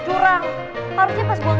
jadi seharusnya lo nyikatin gue ya sedong